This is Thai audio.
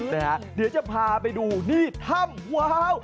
เดี๋ยวจะพาไปดูนี่ถ้ำว้าว